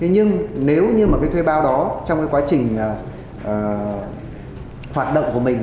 nhưng nếu thuê bao đó trong quá trình hoạt động của mình